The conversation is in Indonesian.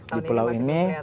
di pulau ini